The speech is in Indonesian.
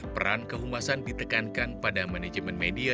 peran kehumasan ditekankan pada manajemen media